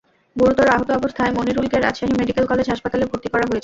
গুরুতর আহত অবস্থায় মনিরুলকে রাজশাহী মেডিকেল কলেজ হাসপাতালে ভর্তি করা হয়েছে।